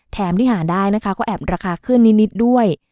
แถมที่หาได้นะคะก็แอบราคาขึ้นนิดด้วย